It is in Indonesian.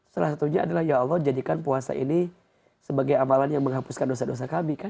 salah satunya adalah ya allah jadikan puasa ini sebagai amalan yang menghapuskan dosa dosa kami kan